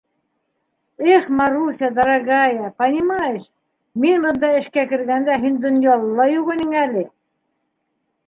-Их Маруся, дорогая, понимаешь, мин бында эшкә кергәндә һин донъяла ла юҡ инең әле.